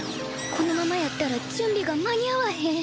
このままやったら準備が間に合わへん。